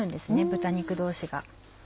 豚肉同士が。